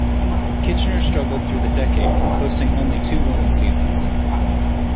Kitchener struggled through the decade, posting only two winning seasons.